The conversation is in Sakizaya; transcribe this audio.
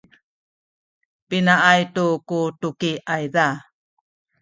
pinaay tu ku tuki ayza?